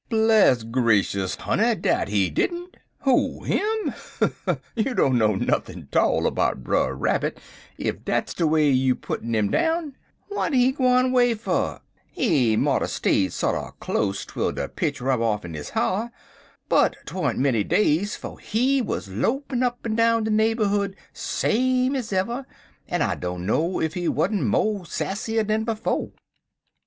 "Bless gracious, honey, dat he didn't. Who? Him? You dunno nuthin' 'tall 'bout Brer Rabbit ef dat's de way you puttin' 'im down. W'at he gwine 'way fer? He moughter stayed sorter close twel de pitch rub off'n his ha'r, but tweren't menny days 'fo' he wuz lopin' up en down de neighborhood same ez ever, en I dunno ef he weren't mo' sassier dan befo'.